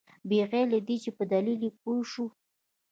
بغیر له دې چې په دلیل یې پوه شوو.